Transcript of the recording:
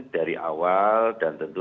dari awal dan tentu